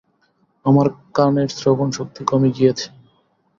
আমার কানের শ্রবণ শক্তি কমে গিয়েছে।